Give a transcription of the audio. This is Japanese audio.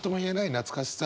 懐かしさ